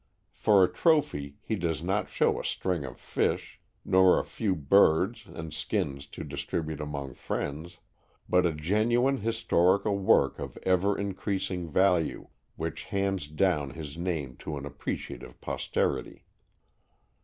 For a trophy he does not show a string of fish, nor a few birds and skins to distribute among friends, but a genuine historical work of ever increasing value, which hands down his name to an appreciative posterity.